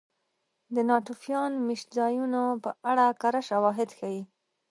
د ناتوفیان مېشتځایونو په اړه کره شواهد ښيي.